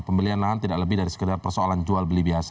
pembelian lahan tidak lebih dari sekedar persoalan jual beli biasa